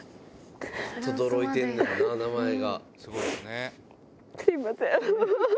とどろいてんねやな、名前が。